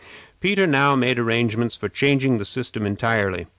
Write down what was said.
Peter now made arrangements for changing the system entirely.